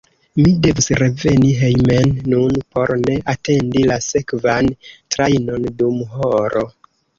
Mi devus reveni hejmen nun por ne atendi la sekvan trajnon dum horo.